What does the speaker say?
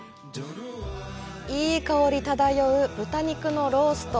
いい香り漂う豚肉のロースト。